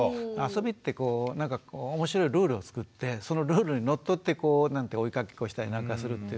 遊びって面白いルールを作ってそのルールにのっとってこう追いかけっこしたり何かするっていう。